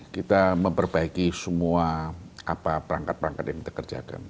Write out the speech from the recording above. kita memperbaiki semua perangkat perangkat yang kita kerjakan